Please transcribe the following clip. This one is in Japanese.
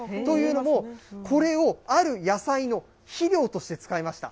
というのも、これをある野菜の肥料として使いました。